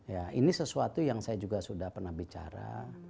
ya ini sesuatu yang saya juga sudah pernah bicara